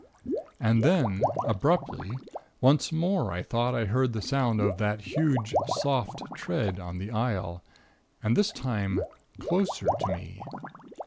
"And then, abruptly, once more I thought I heard the sound of that huge, soft tread on the aisle, and this time closer to me.